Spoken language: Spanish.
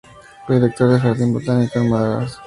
Fue director del Jardín Botánico en Madrás.